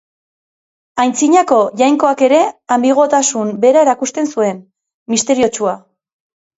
Aintzinako jainkoak ere anbiguotasun bera erakusten zuen, misteriotsua.